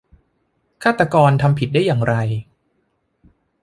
ฆาตกรทำผิดได้อย่างไร